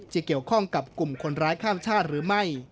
จะเกี่ยวข้องกับกลุ่มคนร้ายข้ามชาติหรือไม่